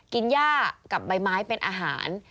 กินหญ้ากับใบไม้เป็นอาหาร